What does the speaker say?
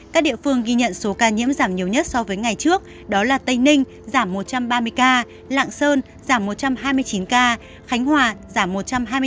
các địa phương ghi nhận số ca nhiễm giảm nhiều nhất so với ngày trước đó là tây ninh giảm một trăm ba mươi ca lạng sơn giảm một trăm hai mươi chín ca khánh hòa giảm một trăm hai mươi ba ca